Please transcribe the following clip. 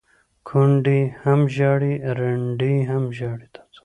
ـ کونډې هم ژاړي ړنډې هم ژاړي،